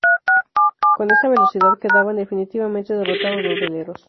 Con esta velocidad quedaban definitivamente derrotados los veleros.